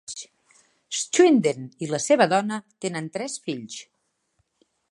Schwinden i la seva dona tenen tres fills.